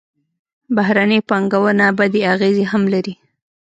بهرنۍ پانګونه بدې اغېزې هم لري.